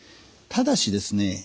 ただしですね